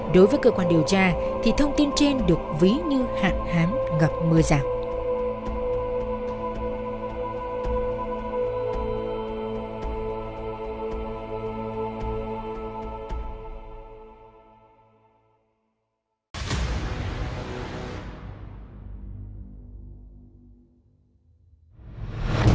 đối với cơ quan điều tra thì thông tin trên được ví như hạn hán gặp mưa giảm